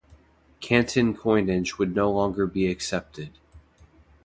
Canton coinage would no longer be accepted.